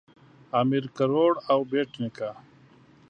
امیر کروړ او بېټ نیکه